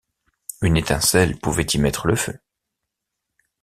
Une étincelle pouvait y mettre le feu.